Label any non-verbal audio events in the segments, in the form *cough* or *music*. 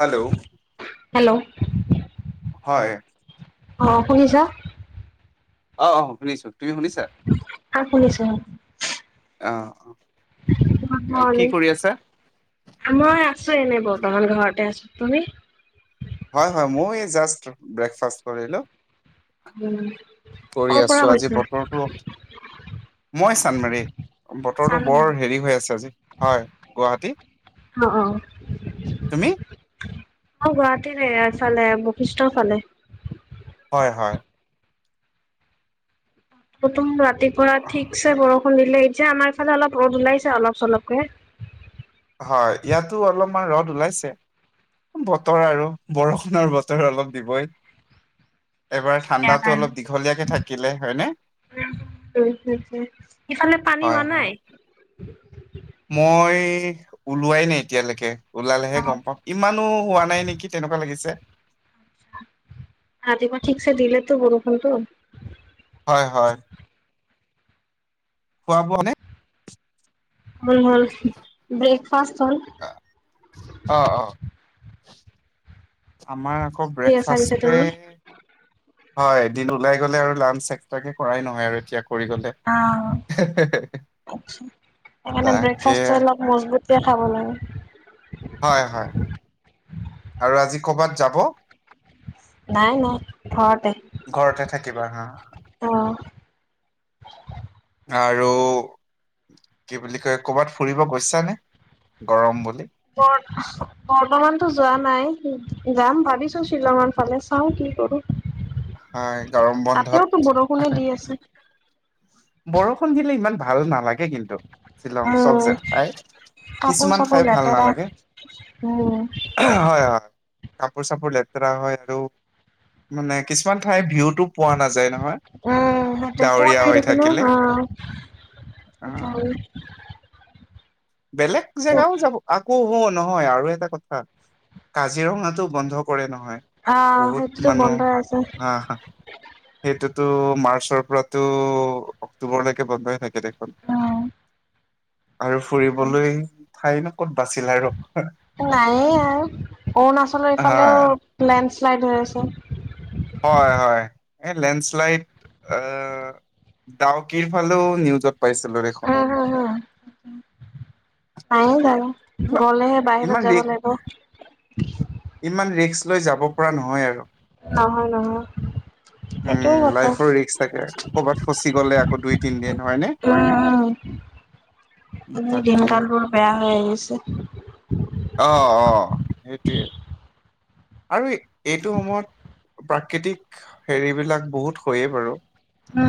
Hello hello হয়। অ', শুনিছা অ', শুনিছো তুমি শুনিছা? আহ শুনিছো অ', অ কি কৰি আছা? অ', মই এনেই বতাহান ঘৰতে আছ তুমি? হয় হয় মই জাষ্ট ব্ৰেকফাষ্ট কৰিলো উম কৰি কৰ পৰা আছো আজি কৈছা? বতৰটো মই চানমাৰী বতৰটো বৰ চানমাৰি হেৰি হৈ আছে আজি হয় গুৱাহাটী অ অ তুমি? অ', ুৱাহাটী ন চালে বখিষ্ট ফালে হয় হয় প্ৰথুম ৰাতিপুৱা ঠিকছে বৰ খু দিলে এতিয়া আমাৰ ইফালে অলপ ৰ'দ ওলাইছে অলপ চলপকে হয়, ইয়াতো অলপমান ৰদ ওলাইছে। বতৰ আৰু বৰষুণৰ বতৰ অলপ দিবই। এবাৰ ইয়াৰ ঠাণ্ডাতো, অলপ কাৰণে দীঘলীয়াকে থাকিলে হয়নে। উম, ইফালে পানী হয়, হোৱা নাই? হয়। মই ওলোৱাই নাই এতিয়ালৈকে। ওলালেহে গম পাম, ইমানো হোৱা নাই নেকি তেনেকুৱা লাগিছে। ৰাতিপুৱাটো ঠিকছে দিলে তো বৰষুণটো। হয়, হয়। খোৱা ব নে। উম, হল, ব্ৰেকফাষ্ট হ'ল। অ', অ', আমাৰ আকৌ কৰি আছা পিছে ব্ৰেকফাষ্টে তুমি? হয় দিন, ওলাই গলে আৰু লাঞ্চ এক্সট্ৰাকে কৰাই নহয় আৰু। কৰি গলে। অ সেইকাৰণে তাকে ব্ৰেকফাষ্ট অলপ মজবুতিে খাব লাগে। হয়, হয় আৰু আজি কৰবাত যাব? নাই, নাই ঘৰ ঘৰতে থাকিবা হা অ'। আৰু কি বুলি কয়, কবাত ফুৰিব গৈছানে গৰম বুলি? বৰ্তমানতো যোৱা নাই যাম ভাবিছো শ্বিলঙৰ ফালে চাও কি চাও কি হয় কৰোঁ, গৰম বন্ধত তাতেওতো বৰষুণে দি আছে বৰষুণ, দিলে ইমান ভাল নালাগে কিন্তু শ্বিলং চব উম, জগ, ঠাই কিছুমান ঠাই ভাল নালাগে। হয়, হয়। অ', কাপোৰ চাপোৰ লেতেৰা হয় আৰু মানে কিছুমান ঠাই ভিউত পোৱা নাযায় নহয়, ডাৱৰীয়া হৈ থাকে। হা, হয়, অ। বেলেগ জেগাও যাব, আকৌ হুন নহয় আৰু এটা কথা কাজিৰঙাতটো বন্ধ কৰে নহয় হয় অ', বহুত সেইটোতো মানুহ, বন্ধই আছে, হা, হা। সেইটোতো মাৰ্চৰ পৰা টো অক্টোবৰলৈকে বন্ধ হৈ থাকে। দেখোন। উম। আৰু ফুৰিবলৈ ঠাই ন। *inaudible* নায়ে আৰু অৰুণাচলৰ হয় ইফালেও, লেণ্ডশ্লাইড হৈ আছে। হয়, হয়, এই লেণ্ডশ্বেলাইট ডাউকীৰ ফালে নিউজত পাইছিলো দেখোন উম, হম, পাৰি যাব। গ'লেহে ইমান বাহিৰত ৰি যাব লাগিব। ইমান ৰিস্ক লৈ যাব পৰা নহয় আৰু। নহয়, নহয়। সেইটোয়ে উম, কথা লাইফৰ ৰিস্ক থাকে কৰ'বাত ফচি গ'লে আকৌ দুই তিন দিন হয়নে। উম, এনে তাকে দিনকাল বোৰ বেয়া। আছে। অ', অ', সেইটোৱে। আৰু এইটো সময়ত প্ৰাকৃতিক হেৰিবিলাক বহুত হয়য়ে বাৰু।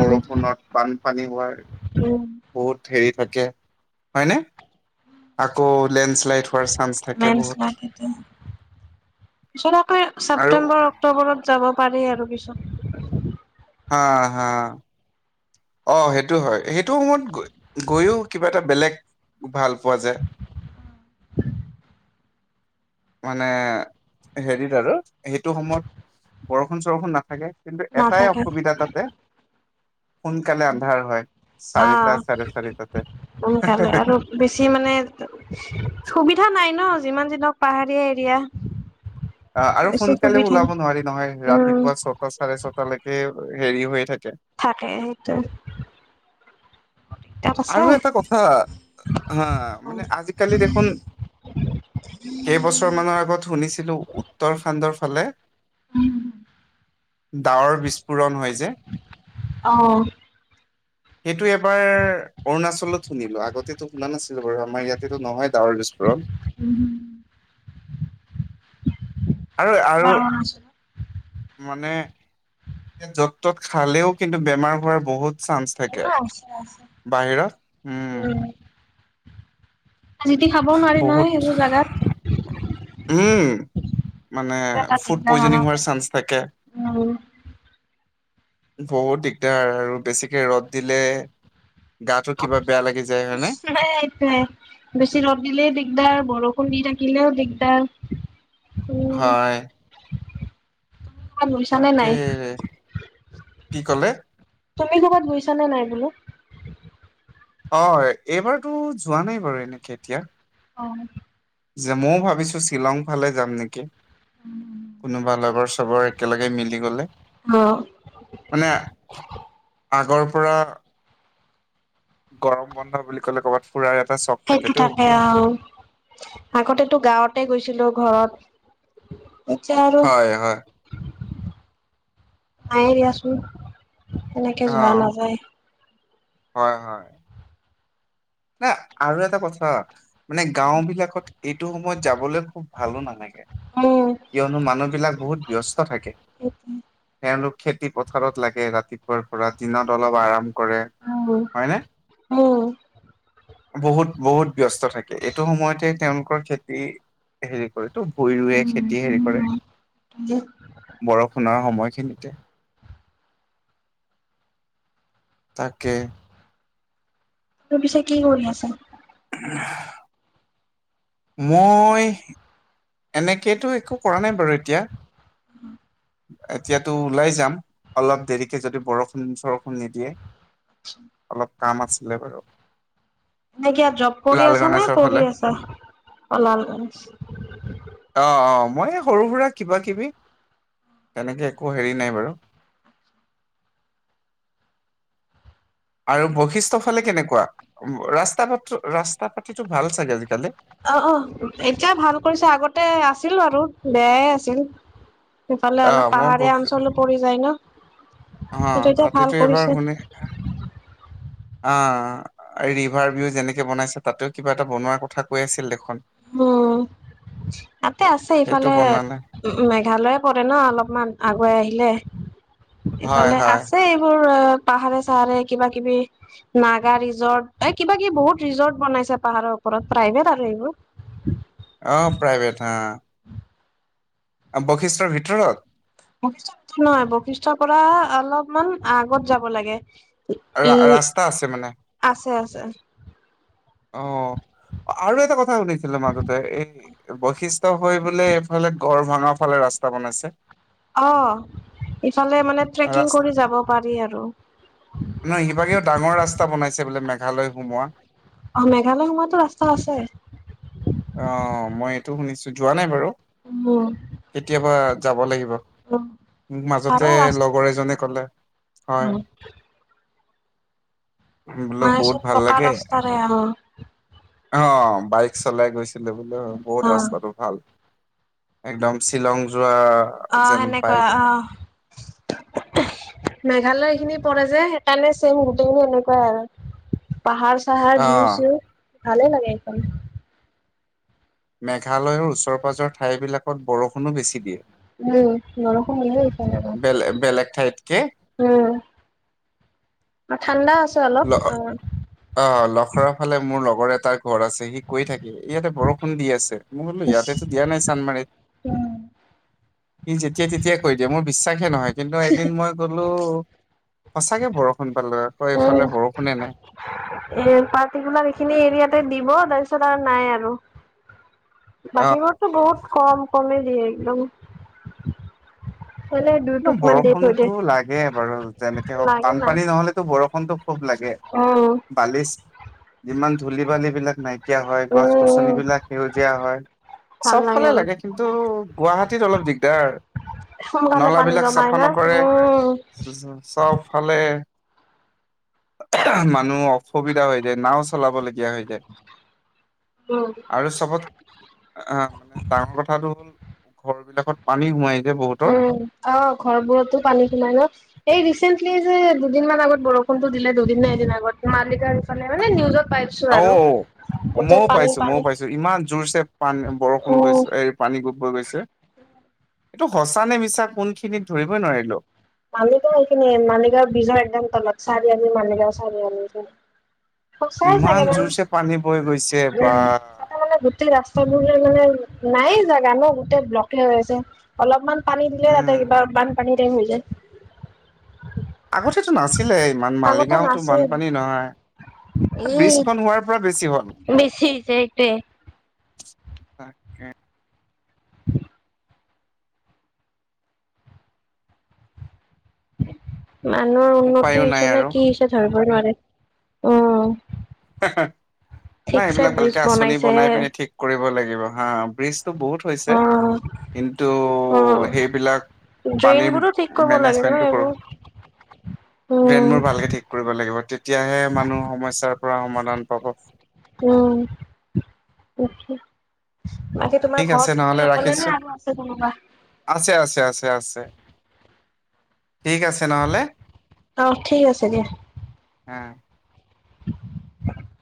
বৰষুণত বানপানী হোৱাৰ উম বহুত হেৰি থাকে। থাকে হয় নে, আকৌ লেণ্ড শ্লাইড হোৱাৰ চান্স থাকে বহুত লেণ্ডশ্বেলাইদ সেইটোবে, ছৰতাব আকৌ আৰু ছেপটেম্বৰ, অক্টোবৰত যাব পাৰি আৰু পিছত। হা, হা। অ' সেইটো হয়, সেইটো সময়ত গৈও কিবা এটা বেলেগ ভাল পোৱা যায়। *inaudible* মানে, হেৰিতাট সেইটো সময়ত বৰষুণ চৰষুণ নাথাকে। কিন্তু এটাই নাথাকে অসুবিধা তাতে। সোনকালে আন্ধাৰ হয় অ চাৰিটা চাৰে চাৰিটাতে। সোনকালে আৰু বেছি মানে সুবিধা নাই। ন যিমান যি নহওঁক পাহাৰীয়া এৰিয়া। অ' আৰু বেছি সোনকালে সুবিধা ওলাব নোৱাৰি নহয়। উম ৰাতিপুৱা ছটা চাৰে ছটালৈকে হেৰি হৈয়ে থাকে। থাকে সেইটোৱে। আৰু এটা কথা, হা অ মানে আজিকালি দেখোন। কেইবছৰমানৰ আগত শুনিছিলোঁ উত্তৰাখাণ্ডৰ ফালে। *inaudible* ডাৱৰ বিস্ফোৰণ হয় যে। অহ'। সেইটো এবাৰ অৰুণাচলত শুনিলো। আগতেতো শুনা নাছিলো বাৰু আমাৰ ইয়াতেতো নহয়। ডাৱৰ বিস্ফোৰণ। আৰু, আৰু। অৰুণাচলত মানে এয়া য'ত ত'ত খালেও কিন্তু বেমাৰ হোৱাৰ বহুত চান্স থাকে। আছে আছে বাহিৰত উম। যি তি খাবও নোৱাৰি বহুত নহয়, সেইবোৰ জাগাত। উম মানে সেইটো এটা ফুড দিগদাৰ আমাৰ পইজনিং হোৱাৰ চান্স থাকে। কাৰণে উম বহুত দিগদাৰ আৰু বেছিকে ৰ'দ দিলে। গাটো কিবা বেয়া লাগি যায় হয়নে? সেইটোৱে। বেচি ৰ'দ দিলে দিগদাৰ, বৰষুণ দি থাকিলেও দিগদাৰ। উম হয়। ক'বাত গৈছানে তাকে, নাই কি ক'লে? তুমি ক'ৰবাত গৈছা নে নাই বোলো? অ', এইবাৰতো যোৱা নাই বাৰু এনেকে এতিয়া। অ'। যে মইও ভাবিছোঁ শ্বিলং ফালে যাম নেকি? কোনোবা লগৰ চবৰ একেলগে মিলি গ'লে অ মানে, আগৰ পৰা। গৰম বন্ধ বুলি ক'লে ক'ৰবাত। ফুৰাৰ এটা চখ সেইটো থাকেতো থাকে অ', আগতেতো গাঁৱতে গৈছিলোঁ ঘৰত। এতিয়া আৰু হয় হয় নাইয়েই দিয়াচোন। অ তেনেকে যোৱা নাযায়। হয়, হয়। মানে আৰু এটা কথা মানে, গাঁও বিলাকত এইটো সময়ত যাবলৈ খুব ভালোঁ নালাগে। উম কিয়নো মানুহ বিলাক বহুত ব্যস্ত থাকে, সেইটোৱে। তেওঁলো খেতি পথাৰত লাগে ৰাতিপুৱাৰ পৰা, দিনত অলপ আৰাম। কৰে হয়নে? উম উম বহুত, বহুত ব্যস্ত থাকে, এইটো সময়তে তেওঁলোকৰ খেতি হেৰি কৰে। ভুই ৰুৱে খেতি হেৰি কৰে, বৰষুণৰ সময়খিনিতে। তাকে। এতিয়া পিছে কি কৰি আছা? *unintelligible* মই এনেকেতো একো কৰা নাই বাৰু এতিয়া। *unintelligible* এতিয়াতো ওলাই যাম, অলপ দেৰিকে যদি বৰষুণ চৰষুণ নিদিয়ে। অলপ কাম আছিলে বাৰু। এনেকা জব কৰি লাল আছ নে গণেশৰ ফালে পঢ়ি আছা। অ', অ'মই সৰু সুৰা কিবা কিবি। তেনেকে একো হেৰি নাই বাৰু। আৰু বৈশিষ্টয় ফালে কেনেকুৱা ৰাস্তা পাট ৰাস্তা পাতিটো ভাল চাগে আজিকালি? অ', অ' এতিয়া ভাল কৰিছে আগতে আছিল আৰু বেয়াই আছিল। সেইফালে আহ অলপ মই ব পাহাৰীয়া অঞ্চলো পৰি যায় ন। সেইটো অ', এতিয়া ভাল তাতেতো এবাৰ কৰিছে শুনি। অ', ৰিভাৰ ভিউ যেনেকে বনাইছে তাতেও কিবা এটা বনোৱাৰ কথা কৈ আছিল দেখোঁন। অ'। তাতে আছে সেইটো ইফালে বনালে উম, মেঘালয়ে পৰে ন অলপমান আগুৱাই আহি। লে, এই হয় ফালে হয় আছে এইবোৰ। পাহাৰে চাহাৰে কিবা কিবি নাগা ৰিজৰ্ট মানে কিবা কিবি বহুত ৰিজৰ্ট বনাইছে। পাহাৰৰ ওপৰত প্ৰাইভেট আৰু এইবোৰ। অ', প্ৰাইভেট হা। বশিষ্ঠৰ ভিতৰত? বশিষ্ঠৰ ভিতৰত নহয়, বশিষ্ঠৰ পৰা অলপমান আগত যাব লাগে। ৰা উম, ৰাস্তা আছে মানে আছে, আছে। অ', আৰু এটা কথা শুনিছিলোঁ মাজতে এ বশিষ্ঠ হৈ বোলে এইফালে গড় ভঙাৰ ফালে ৰাস্তা বনাইছে। অ'। ফালে মানে ট্ৰেকিং ৰাস্ত কৰি যাব পাৰি আৰু। ছে বোলে মেঘালয় সোমোৱা। অ', মেঘালয় সমোয়ো ৰাস্তা আছে। অ', মই এইটো শুনিছোঁ যোৱা নাই বাৰু উম উম কেতিয়াবা যাব লাগিব। মোক মাজতে ভালে ৰাস্তা লগৰ এজনে কলে হয়। বোলো মানে বহুত চব ভাল পকা লাগে ৰাস্তাৰে অ'। অ' বাইক চলাই গৈছিলোঁ বোলো বহুত অ ৰাস্তাটো ভাল। একদম শ্বিলং যো যোৱা অ যেন সেনেকুৱা ভাইপ। অ মেঘালয়খিনি পৰে যে হেকাণে ছেম গোটেইখিনি এনেকুৱাই আৰু। পাহাৰ চাহাৰ, ভিউ অ'। চিউ, ভালে লাগে এইখন। মেঘালয়ৰ ওচৰ পাজৰ ঠাইবিলাকত বৰষুণো বেছি দিয়ে। উ বৰষুণ দিয়েই। বেলে-বেলেগ ঠাইতকে। উ। আ ঠাণ্ডা আছ ল, অ' লখৰাফালে মোৰ লগৰ এটাৰ ঘৰ আছে সি কৈ থাক কে, ইয়াতে বৰষুণ দি আছে। মই বোলো ইয়াতেতো দিয়া নাই চানমাৰিত। সি যেতিয়াই তেতিয়াাই কৈ দিয়ে। মোৰ বিশ্বাসে নহয় কিন্তু এদিন মই গলোঁ সঁচাকে বৰষুণ পালোঁ, আকৌ এইফালে বৰষুণে নাই। এ পাৰ্টিকুলাৰ এইখিনি এৰিয়াতে দিব তাপিছত আৰু নাই আৰু। অ বাকীবোৰততো বহুত কম কমে দিয়ে একদম। এনে দুই ন টোপমান দি থৈ দিয়ে বৰষুণতো লাগে বাৰু যেনেকে হওঁক লাগে না বানপানী নহ'লেতো বৰ ষুণটো খুব লাগে। উম। বালিচ যিমান ধূলি বালি বিলাক নাইকিয়া হয়, উম, গছ-গছনিবলাক সেউজীয়া হয়। ভাল চবফালে আৰু লাগে কিন্তু গুৱাহাটীত অলপ দিগদাৰ। সোনকালে পানী গাবিলাক জমাই চাফা না। নকৰে। উম, জা-জা চবফালে মানুহ অসুবিধা হৈ যায়, নাওঁ চলাব লগীয়া হৈ যায়। আৰু চবত, আ মানে ডাঙৰ কথাটো হ'ল। ঘৰবিলাকত পানী সোমাই যে বহুতৰ। উ, অ' ঘৰবোৰতো পানী সোমাই ন। এই ৰিচেন্টলি যে দুদিনমান আগত বৰষুণতো দিলে, দুদিন নে এদিন আগত মালিকা সিফালে মানে নিউজত পাইছোঁ আৰু। অ' গোটেই মও পানী পাইছোঁ, মও পানী পাইছোঁ ইমান জোৰছে পান, বৰষুণ গৈছ, উম, এই পানী গপ, বৈ গৈছে। এটো সঁচা নে মিছা কোনখিনিত ধৰিবই নোৱাৰিলোঁ। মালিগাঁও হেখিনি, মালিগাঁৱ ব্ৰীজৰ একদম তলত, চাৰি আলি মালিগাঁও চাৰি আলি। সঁচাই ইমান চাগে তা, জোৰছে পানী বৈ গৈছে উ বা তাতে মানে গোটেই ৰাচ তাটোতে মানে নায়ে জেগা ন গোটেই ব্লকে হৈ আছে। অলপমান পানী দিলে উম তাতে কিবা বানপানী টাইপ হৈ যায়। আগতেতো নাছিলে ইমান, আগতে মালিগাঁওতো নাছিল বানপানী নহয়। ব্ৰীজখন হোৱাৰ পৰা বেছি হ'ল। বেছি হৈছে এইটোৱে। তাকে। মানুহৰ উপায়ো উন্নতি নাই হৈছে নে আৰু কি হৈছে ধৰবই নোৱাৰে। অ'। নাই এবিলাক ব্ৰিজ ভালকে আঁচনি বনাই বনাইছেহে। পিনি ঠিক কৰিব লাগিব। হা ব্ৰীজ টো বহুত হৈছে অ', কিন্তু অ', হেইবিলাক ড্ৰেইন পানীম বোৰো ঠিক কৰিব লাগে ন মেনেজমেণ্টটো ক'ৰ? এইবোৰ। উম, ড্ৰেনবোৰ ভালকে ঠিক কৰিব লাগিব তেতিয়াহে মানুহ সমস্যাৰ পৰা সমাধান পাব। উ, তাকে। বাকী তোমাৰ ঠিক আছে ঘৰত তুমি নহ'লে অকলে ৰাখিছো নে আৰু আছে কোনোবা? ছে আছে। ঠিক আছে নহ'লে অ' ঠিক আছে দিয়া। উ। *inaudible*